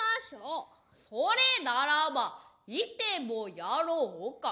それならば行てもやろうか。